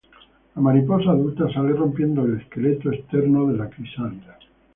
La mariposa adulta sale rompiendo el esqueleto externo de la crisálida.